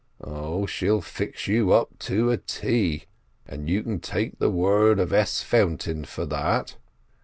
Oh, she'll fix you up to a T, and you take the word of S. Fountain for that.